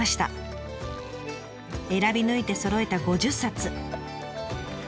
選び抜いてそろえた５０冊。